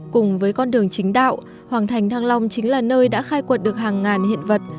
cùng với con đường chính đạo hoàng thành thăng long chính là nơi đã khai quật được hàng ngàn hiện vật